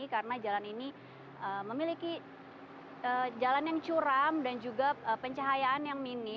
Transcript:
karena jalan ini memiliki jalan yang curam dan juga pencahayaan yang menarik